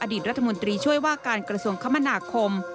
รัฐมนตรีช่วยว่าการกระทรวงคมนาคม